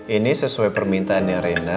ini sesuai permintaannya rena